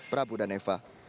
prabu dan eva